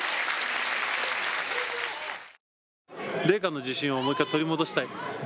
麗禾の自信を、もう一回取り戻したい。